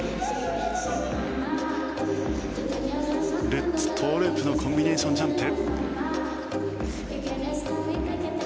ルッツ、トウループのコンビネーションジャンプ。